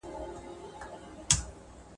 املا په زیاتو مضامینو کي ګټه لري.